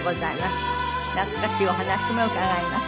懐かしいお話も伺います。